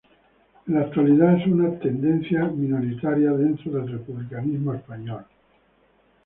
En la actualidad es una tendencia minoritaria dentro del republicanismo español.